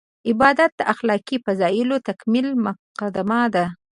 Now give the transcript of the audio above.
عبادت د اخلاقي فضایلو تکمیل مقدمه ده.